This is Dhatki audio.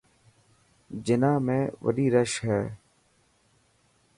جناح ۾ڏاڌي رش هي.ڍ